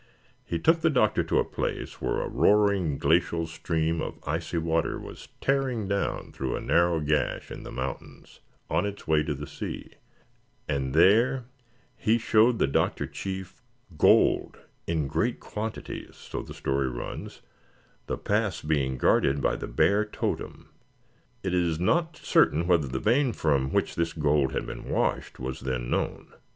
He took the Doctor to a place where a roaring glacial stream of icy water was tearing down through a narrow gash in the mountains on its way to the sea, and there he showed the doctor chief gold in great quantities, so the story runs, the pass being guarded by the Bear Totem. It is not certain whether the vein from which this gold had been washed was then known.